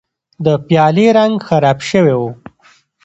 د پیالې رنګ خراب شوی و.